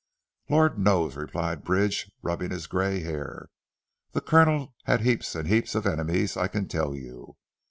"Lord knows," replied Bridge rubbing his grey hair. "The Colonel had heaps and heaps of enemies I can tell you.